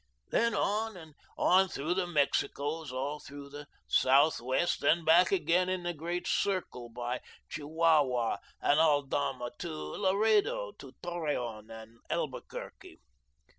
Then on and on through The Mexicos, all through the Southwest, then back again in a great circle by Chihuahua and Aldama to Laredo, to Torreon, and Albuquerque.